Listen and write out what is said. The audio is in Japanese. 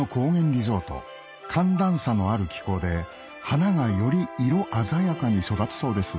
リゾート寒暖差のある気候で花がより色鮮やかに育つそうです